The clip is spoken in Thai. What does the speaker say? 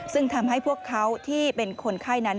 ซึ่งทำให้พวกเขาที่เป็นคนไข้นั้น